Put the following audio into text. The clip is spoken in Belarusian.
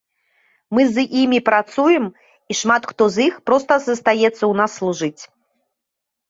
Мы з імі працуем, і шмат хто з іх проста застаецца ў нас служыць.